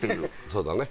そうだね。